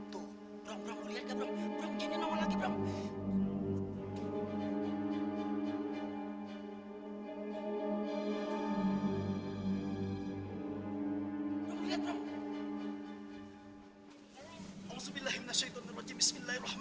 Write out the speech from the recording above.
tuh bram bram lo liat gak bram bram jinnya normal lagi bram